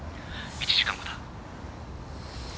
１時間後だ。